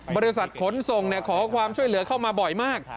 บริษัทขนส่งขอความช่วยเหลือเข้ามาบ่อยมาก